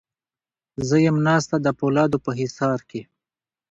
زه یم ناسته د پولادو په حصار کې